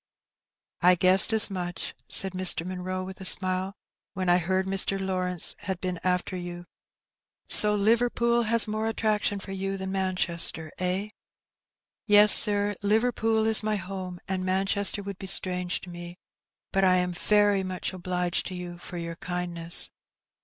''" I guessed as much," said Mr. Monroe, with a smile, "when I heard Mr. Lawrence had been after you. So T 2 276 Her Bennt. Liverpool has more attractions for you than Manchester, eh?'' ''Yes, sir, Liverpool is my home^ and Manchester would be strange to me; but I am very mach obliged to yoa for your kindness."